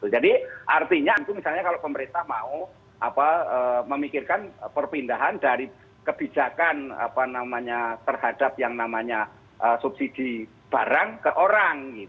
jadi artinya itu misalnya kalau pemerintah mau memikirkan perpindahan dari kebijakan terhadap yang namanya subsidi barang ke orang